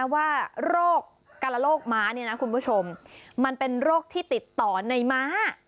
ว่าโรคกระโลกม้าเนี่ยนะคุณผู้ชมมันเป็นโรคที่ติดต่อในม้า